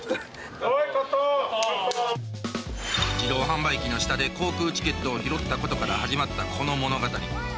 自動販売機の下で航空チケットを拾ったことから始まったこの物語。